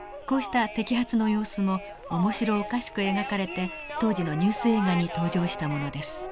こうした摘発の様子も面白おかしく描かれて当時のニュース映画に登場したものです。